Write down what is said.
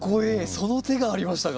その手がありましたか。